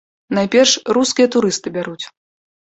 Найперш, рускія турысты бяруць.